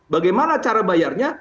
bagaimana cara bayarnya